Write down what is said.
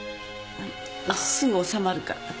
すぐ治まるから。